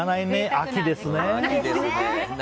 秋ですね。